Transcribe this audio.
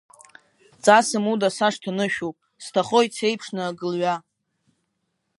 Ҵасым, уда сашҭа нышәуп, сҭахоит сеиԥшны агылҩа.